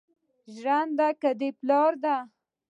ژرنده که د پلار ده